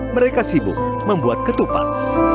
mereka sibuk membuat ketupang